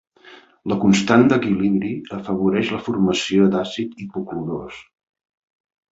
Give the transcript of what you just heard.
La constant d'equilibri afavoreix la formació d'àcid hipoclorós.